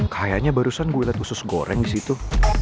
kayaknya barusan gue liat usus goreng disitu